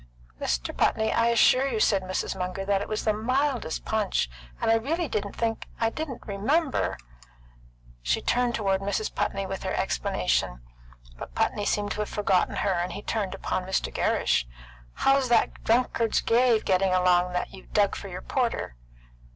"Mr. Putney, I assure you," said Mrs. Munger, "that it was the mildest punch! And I really didn't think I didn't remember " She turned toward Mrs. Putney with her explanation, but Putney seemed to have forgotten her, and he turned upon Mr. Gerrish, "How's that drunkard's grave getting along that you've dug for your porter?"